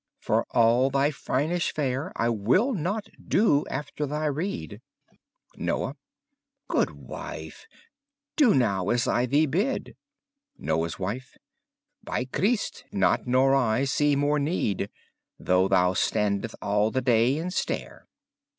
For all thy frynishe fare, I will not doe after thy reade. Noye Good wyffe, doe nowe as I thee bydde. Noye's Wiffe Be Christe! not or I see more neede, Though thou stande all the daye and stare.